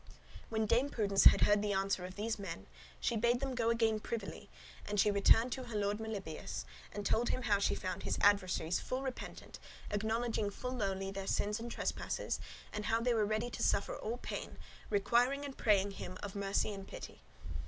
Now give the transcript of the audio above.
When Dame Prudence had heard the answer of these men, she bade them go again privily, and she returned to her lord Melibœus, and told him how she found his adversaries full repentant, acknowledging full lowly their sins and trespasses, and how they were ready to suffer all pain, requiring and praying him of mercy and pity.